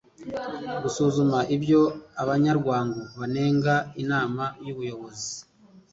gusuzuma ibyo abanyamuryango banenga inama y'ubuyobozi